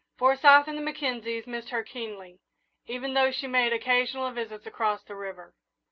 Forsyth and the Mackenzies missed her keenly, even though she made occasional visits across the river.